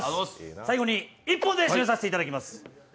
最後に一本で締めさせていただきます。